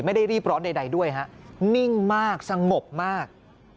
ไม่ได้รีบร้อนใดด้วยฮะนิ่งมากสงบมาก